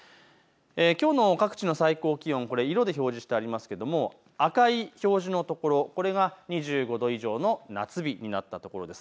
きょうの各地の最高気温、色で表示してありますけれど赤い表示のところ、これが２５度以上の夏日になった所です。